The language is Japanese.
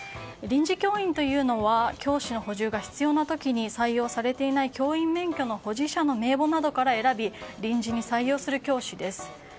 臨時教員というのは教師の補充が必要な時に採用されていない教員免許の保持者の名簿などから選び臨時に採用する教師です。